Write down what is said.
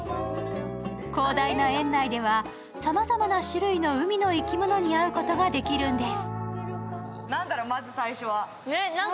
広大な園内ではさまざまな種類の海の生き物に会うことができるんです。